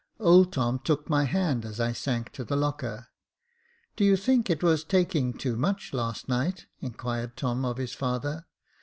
Old Tom took my hand as I sank on the locker. Do you think that it was taking too much last night ?" inquired Tom of his father.